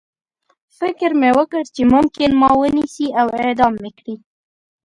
فکر مې وکړ چې ممکن ما ونیسي او اعدام مې کړي